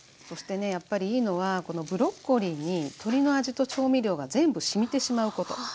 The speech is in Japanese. そしてねやっぱりいいのはこのブロッコリーに鶏の味と調味料が全部しみてしまうこと。